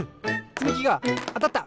つみきがあたった！